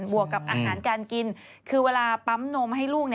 วกกับอาหารการกินคือเวลาปั๊มนมให้ลูก